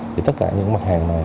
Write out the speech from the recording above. thì tất cả những mặt hàng này